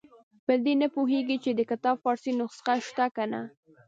په دې نه پوهېږي چې د کتاب فارسي نسخه شته که نه.